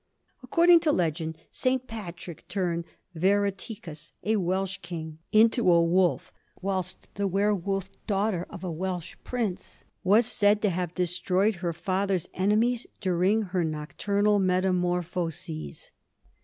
According to legend St. Patrick turned Vereticus, a Welsh king, into a wolf, whilst the werwolf daughter of a Welsh prince was said to have destroyed her father's enemies during her nocturnal metamorphoses.